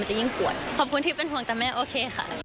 จะยิ่งปวดขอบคุณที่เป็นห่วงแต่แม่โอเคค่ะ